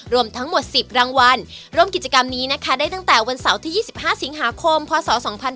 รวมทั้งหมด๑๐รางวัลร่วมกิจกรรมนี้นะคะได้ตั้งแต่วันเสาร์ที่๒๕สิงหาคมพศ๒๕๕๙